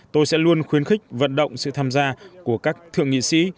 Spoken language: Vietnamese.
tôi sẽ luôn khuyến khích vận động sự tham gia của các thượng nghị sĩ